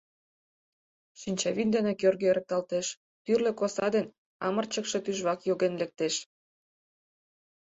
Шинчавӱд дене кӧргӧ эрыкталтеш, тӱрлӧ коса ден амырчыкше тӱжвак йоген лектеш.